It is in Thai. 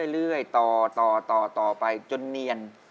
เรื่อยต่อไปจนเนียน